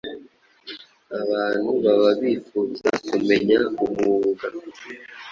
abantu baba bifuza kumenya umwuga.